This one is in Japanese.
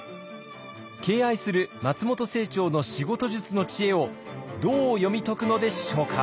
敬愛する松本清張の仕事術の知恵をどう読み解くのでしょうか。